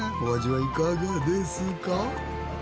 お味はいかがですか？